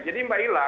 jadi mbak ila